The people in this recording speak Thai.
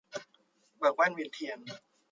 เบิกแว่นเวียนเทียน